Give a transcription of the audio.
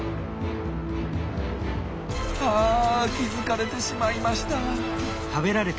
あ気付かれてしまいました。